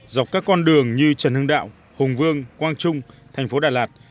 dọc các con đường như trần hưng đạo hùng vương quang trung thành phố đà lạt